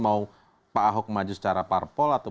mau pak ahok maju secara parpol atau